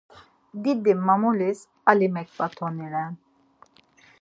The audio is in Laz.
Didi mamulis ali meǩvatoni ren.